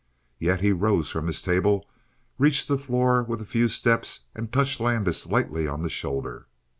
Yet he rose from his table, reached the floor with a few steps, and touched Landis lightly on the shoulder.